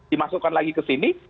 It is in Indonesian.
dimasukkan lagi ke sini